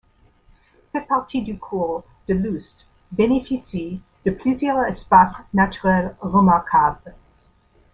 Cette partie du cours de l'Oust bénéficie de plusieurs espaces naturels remarquables.